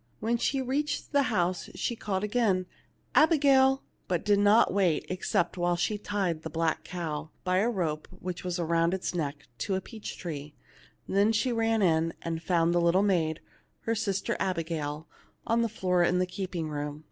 When she reached the house she called again, " Abigail \" but did not wait except while she tied the black cow, by a rope which was around her neck, to a peach tree. Then she ran in, and found the little maid, her sister Abigail, on the floor in the keeping room.